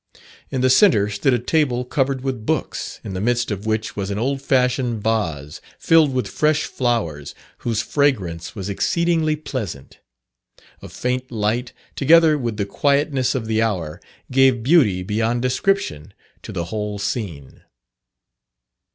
In the centre stood a table covered with books, in the midst of which was an old fashioned vase filled with fresh flowers, whose fragrance was exceedingly pleasant. A faint light, together with the quietness of the hour gave beauty beyond description to the whole scene.